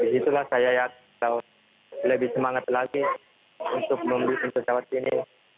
disitulah saya lebih semangat lagi untuk membeli pesawat ini